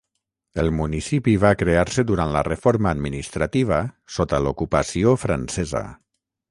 El municipi va crear-se durant la reforma administrativa sota l'ocupació francesa.